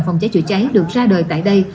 phòng cháy chữa cháy được ra đời tại đây